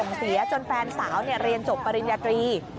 ส่งเสียจนแฟนสาวเนี่ยเรียนจบปริญญาตรี